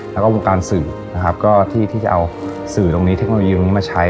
แล้วก็วงการสื่อนะครับก็ที่จะเอาสื่อตรงนี้เทคโนโลยีตรงนี้มาใช้